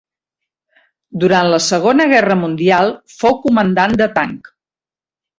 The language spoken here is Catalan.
Durant la Segona Guerra Mundial, fou comandant de tanc.